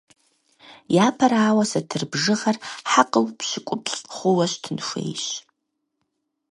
Япэрауэ, сатыр бжыгъэр хьэкъыу пщыкӀуплӀ хъууэ щытын хуейщ.